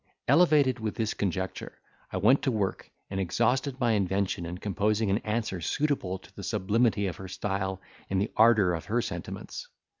Elevated with this conjecture, I went to work, and exhausted my invention in composing an answer suitable to the sublimity of her style and the ardour of her sentiments.